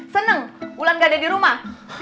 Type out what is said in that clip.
seneng wulan gak ada di rumah